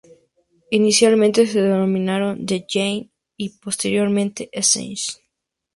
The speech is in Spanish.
Inicialmente se denominaron The Yen y posteriormente Essence.